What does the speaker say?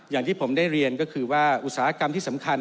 อย่างที่ผมได้เรียนก็คือว่าอุตสาหกรรมที่สำคัญ